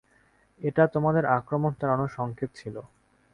এটা তোমাদের আক্রমণ চালানোর সংকেত ছিল।